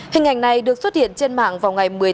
hình ảnh này được xuất hiện trên mạng vào ngày một mươi tám